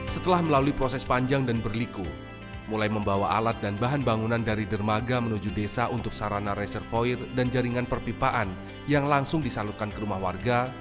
setelah melalui proses panjang dan berliku mulai membawa alat dan bahan bangunan dari dermaga menuju desa untuk sarana reservoir dan jaringan perpipaan yang langsung disalurkan ke rumah warga